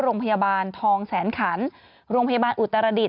โรงพยาบาลทองแสนขันโรงพยาบาลอุตรดิษ